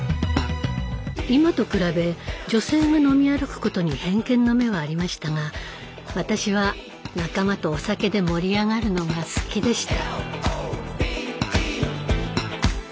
今と比べ女性が飲み歩くことに偏見の目はありましたが私は仲間とお酒で盛り上がるのが好きでした。